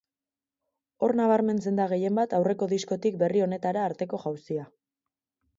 Hor nabarmentzen da gehienbat aurreko diskotik berri honetara arteko jauzia.